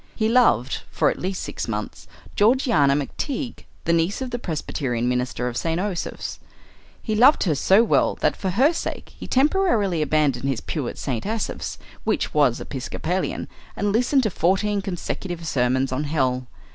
He loved, for at least six months, Georgiana McTeague, the niece of the presbyterian minister of St. Osoph's. He loved her so well that for her sake he temporarily abandoned his pew at St. Asaph's, which was episcopalian, and listened to fourteen consecutive sermons on hell.